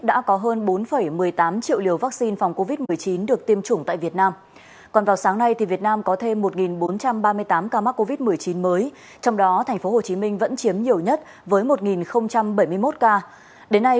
đến nay việt nam ghi nhận tổng cộng bốn mươi hai hai trăm tám mươi tám bệnh nhân